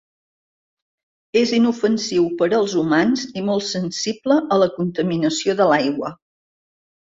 És inofensiu per als humans i molt sensible a la contaminació de l'aigua.